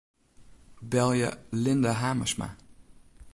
Belje Linda Hamersma.